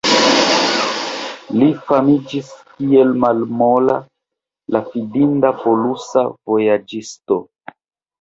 Li famiĝis kiel malmola kaj fidinda polusa vojaĝisto.